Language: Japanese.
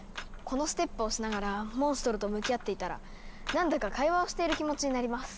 このステップをしながらモンストロと向き合っていたら何だか会話をしている気持ちになります。